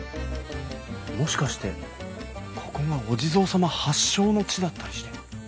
もしかしてここがお地蔵様発祥の地だったりして。